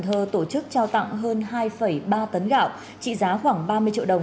thơ tổ chức trao tặng hơn hai ba tấn gạo trị giá khoảng ba mươi triệu đồng